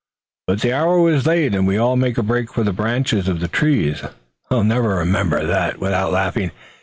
But the hour was late, and we all made a break for the branches of the trees. I'll never remember that without laughing.